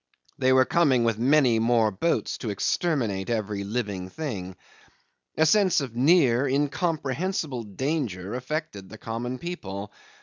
They were coming with many more boats to exterminate every living thing. A sense of near, incomprehensible danger affected the common people.